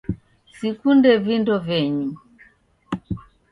Sikunde vindo venyu